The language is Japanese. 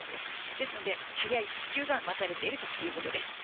ですので、早い復旧が待たれているということです。